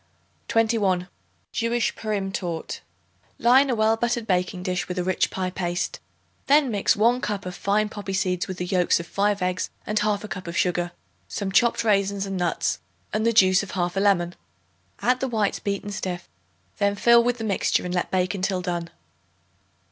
21. Jewish Purim Torte. Line a well buttered baking dish with a rich pie paste. Then mix 1 cup of fine poppy seeds with the yolks of 5 eggs and 1/2 cup of sugar, some chopped raisins and nuts and the juice of 1/2 lemon. Add the whites beaten stiff; then fill with the mixture and let bake until done.